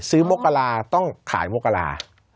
ซื้อโมกราต้องขายโมกรา